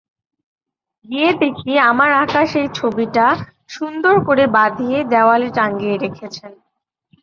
গিয়ে দেখি আমার আঁকা সেই ছবিটা সুন্দর করে বাঁধিয়ে দেয়ালে টাঙিয়ে রেখেছেন।